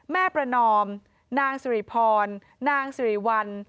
ประนอมนางสุริพรนางสิริวัล